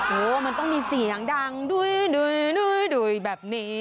โอ้โหมันต้องมีเสียงดังดุ้ยแบบนี้